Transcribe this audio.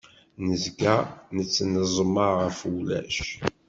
Nezga nettneẓma ɣef wulac.